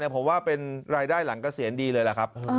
ผมว่าเป็นรายได้หลังเกษียณดีเลยล่ะครับ